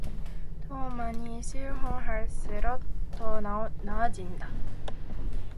더 많이 실험할수록 더 나아진다.